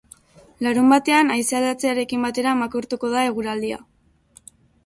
Larunbatean, haizea aldatzearekin batera makurtuko da eguraldia.